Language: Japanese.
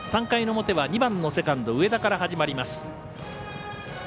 ３回の表は、２番のセカンド上田から始まります。